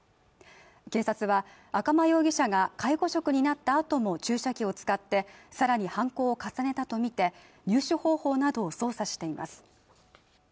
警察は赤間容疑者が介護職になったあとも注射器を使って更に犯行を重ねたとみて入手方法などを調べています。